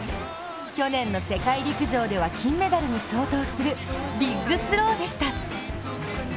去年の世界陸上では金メダルに相当するビッグスローでした。